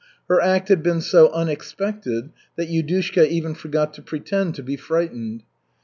Her act had been so unexpected that Yudushka even forgot to pretend to be frightened.